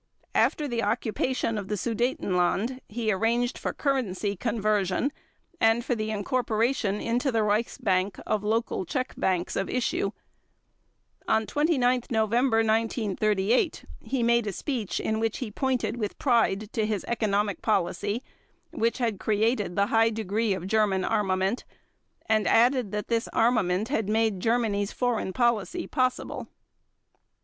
After the occupation of the Sudetenland, he arranged for currency conversion and for the incorporation into the Reichsbank of local Czech banks of issue. On 29 November 1938 he made a speech in which he pointed with pride to his economic policy which had created the high degree of German armament, and added that this armament had made Germany's foreign policy possible.